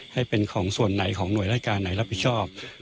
ให้เป็นของส่วนไหนของหน่วยราชการไหนรับผิดชอบ